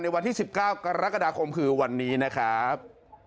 วันที่๑๙กรกฎาคมคือวันนี้นะครับ